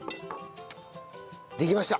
できました！